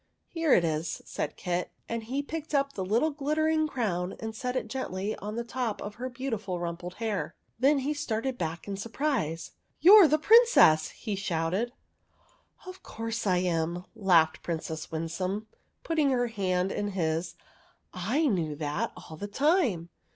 " Here it is," said Kit ; and he picked up the little glittering crown and set it gently on the top of her beautiful, rumpled hair. Then he started back in surprise. " You are the Prin cess I " he shouted. 1 8 THE WEIRD WITCH " Of course I am," laughed Princess Win some, putting her hand in his ;"/ knew that, all the time